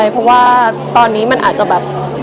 เพราะว่าตอนนี้มันอาจจะแบบ